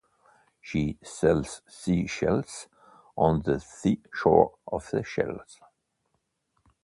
She sells sea shells on the sea shore of Seychelles